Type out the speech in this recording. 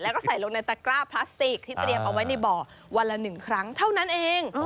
แล้วก็ใส่ลงในตะกร้าพลาสติกที่เตรียมเอาไว้ในบ่อวันละ๑ครั้งเท่านั้นเอง